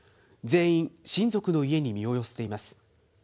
全員、親族の家に身を寄せています。